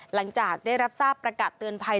หลังจากได้รับทราบประกาศเตือนภัย